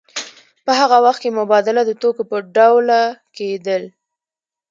په هغه وخت کې مبادله د توکو په ډول کېدله